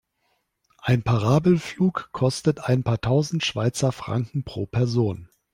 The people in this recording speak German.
Ein Parabelflug kostet ein paar tausend Schweizer Franken pro Person.